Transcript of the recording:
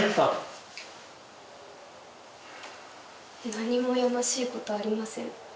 「何もやましいことありません」